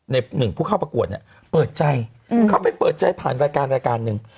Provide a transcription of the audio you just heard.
หนึ่งผู้เข้าประกวดเนี่ยเปิดใจเข้าไปเปิดใจผ่านรายการรายการหนึ่ง